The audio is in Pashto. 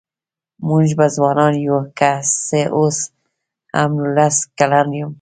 مونږ به ځوانان يوو که څه اوس هم نوولس کلن يم